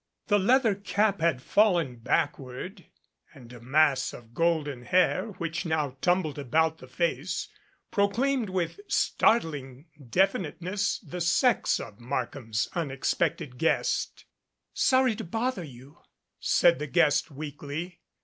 The leather cap had fallen backward and a mass of golden hair which now tumbled about the face proclaimed with startling definiteness the sex of Markham's unexpected guest. "Sorry to bother you," said the guest weakly.